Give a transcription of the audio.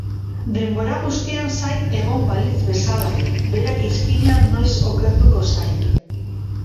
Denbora guztian zain egon balitz bezala, berak izkina noiz okertuko zain.